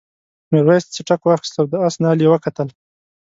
میرويس څټک واخیست او د آس نال یې وکتل.